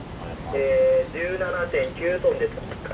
ええ１７．９トンです。